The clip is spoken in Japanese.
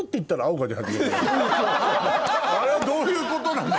あれはどういうことなの？